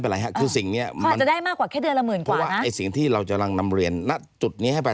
อย่างที่มันพยายามจะแย้งย่านเขาว่า